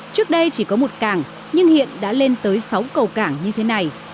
trước đây chỉ có một cảng nhưng hiện đã lên tới sáu cầu cảng như thế này